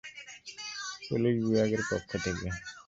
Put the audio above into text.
Police বিভাগের পক্ষ থেকে।